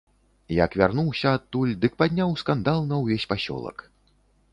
Як вярнуўся адтуль, дык падняў скандал на ўвесь пасёлак.